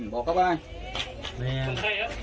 บอกเขาบ้าง